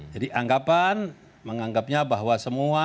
jadi anggapan menganggapnya bahwa semua